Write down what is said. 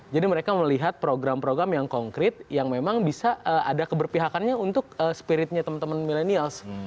jadi mereka melihat program program yang konkret yang memang bisa ada keberpihakannya untuk spiritnya teman teman milenial